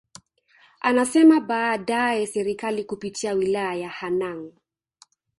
Anasema baadaye Serikali kupitia Wilaya ya Hanang